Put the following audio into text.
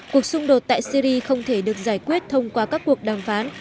cuộc xung đột tại syri không thể được giải quyết thông qua các cuộc đàm phán